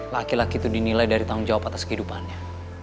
laki laki itu dinilai dari tanggung jawab atas kehidupannya